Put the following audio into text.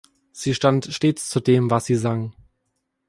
Sie stand stets zu dem, was sie sang.